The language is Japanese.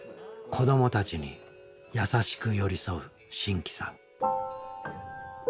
子どもたちに優しく寄り添う真気さん。